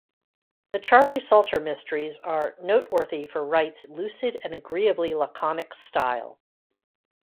The Charlie Salter Mysteries are "noteworthy for Wright's lucid and agreeably laconic style".